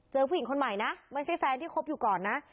ผู้หญิงคนใหม่นะไม่ใช่แฟนที่คบอยู่ก่อนนะ